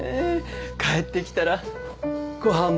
帰ってきたらご飯も完璧。